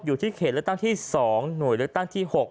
เขตเลือกตั้งที่๒หน่วยเลือกตั้งที่๖